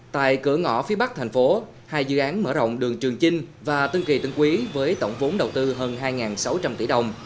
tại cửa ngõ phía bắc thành phố hai dự án mở rộng đường trường chinh và tân kỳ tân quý với tổng vốn đầu tư hơn hai sáu trăm linh tỷ đồng